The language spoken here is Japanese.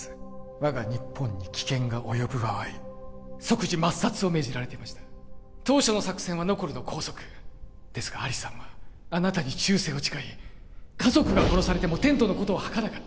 我が日本に危険が及ぶ場合即時抹殺を命じられていました当初の作戦はノコルの拘束ですがアリさんはあなたに忠誠を誓い家族が殺されてもテントのことを吐かなかった